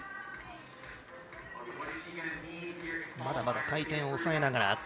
まだまだ回転を抑えながら。